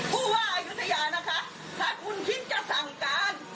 ผู้ว่าอายุทยานะคะถ้าคุณคิดจะสั่งการ